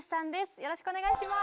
よろしくお願いします。